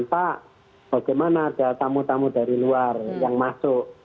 pak bagaimana ada tamu tamu dari luar yang masuk